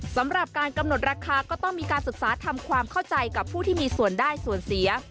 สำหรับการกำหนดราคาก็ต้องมีการศึกษาทำความเข้าใจกับผู้ที่มีส่วนได้ส่วนเสีย